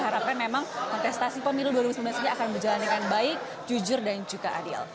harapkan memang kontestasi pemilu dua ribu sembilan belas ini akan berjalan dengan baik jujur dan juga adil